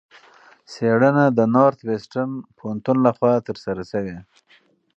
څېړنه د نارت وېسټرن پوهنتون لخوا ترسره شوې.